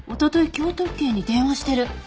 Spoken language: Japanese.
京都府警に電話してる。